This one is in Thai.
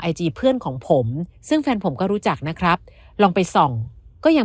จีเพื่อนของผมซึ่งแฟนผมก็รู้จักนะครับลองไปส่องก็ยัง